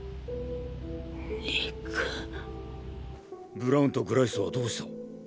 ブラウンとグライスはどうした？